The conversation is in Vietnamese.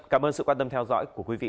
cảm ơn sự quan tâm theo dõi của quý vị